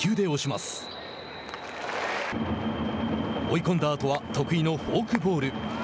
追い込んだあとは得意のフォークボール。